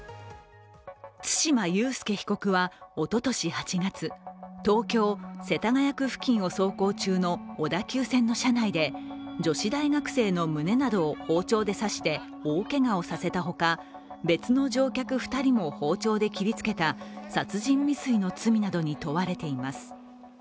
対馬悠介被告はおととし８月、東京・世田谷区付近を走行中の小田急線の車内で女子大学生の胸などを包丁で刺して大けがをさせたほか、別の乗客２人も包丁で切りつけた殺人未遂などの罪に問われています。